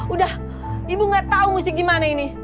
udah ibu gak tau musik gimana ini